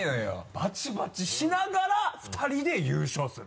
バチバチしながら２人で優勝する。